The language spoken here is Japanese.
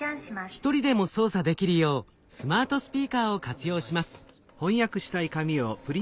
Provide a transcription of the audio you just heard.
一人でも操作できるようスマートスピーカーを活用します。